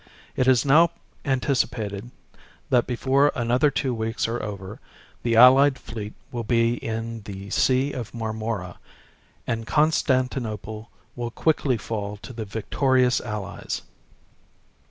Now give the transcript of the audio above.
It is now anticipated that before another two weeks are over the allied fleet will be in the Sea of Marmora, and Constantinople will quickly fall to the victorious Allies.